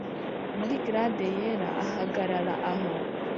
muri glade yera, ahagarara aho,